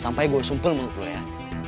sampai gue sumpel menurut gue ya